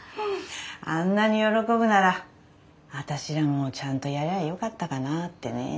あんなに喜ぶなら私らもちゃんとやりゃよかったかなってね。